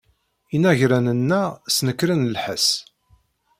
Inaragen-nneɣ snekren lḥess.